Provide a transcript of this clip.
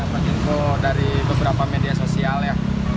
dapat info dari beberapa media sosial ya